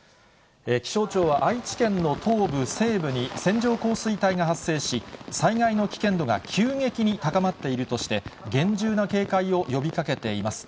気象庁は愛知県の東部、西部に線状降水帯が発生し、災害の危険度が急激に高まっているとして、厳重な警戒を呼びかけています。